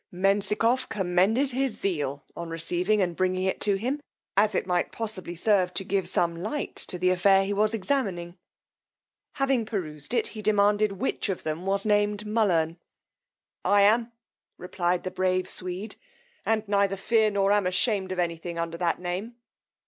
Menzikoff commended his zeal in receiving and bringing it to him, as it might possibly serve to give some light to the affair he was examining. Having perused it, he demanded which of them was named Mullern? I am, replied the brave Swede; and neither fear, nor am ashamed of any thing under that name.